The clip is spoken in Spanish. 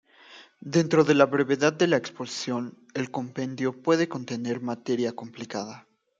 Dentro de la brevedad de la exposición, el compendio puede contener materia complicada.